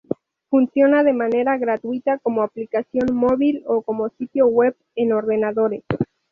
Funciona de manera gratuita como aplicación móvil o como sitio web en ordenadores.